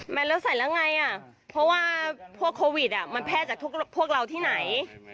แล้วใส่แล้วไงอ่ะเพราะว่าพวกโควิดมันแพร่จากพวกเราที่ไหน